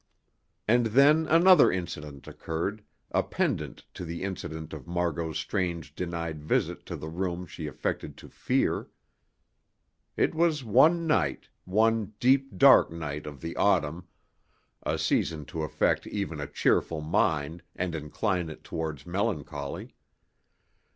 And then another incident occurred, a pendant to the incident of Margot's strange denied visit to the room she affected to fear. It was one night, one deep dark night of the autumn a season to affect even a cheerful mind and incline it towards melancholy.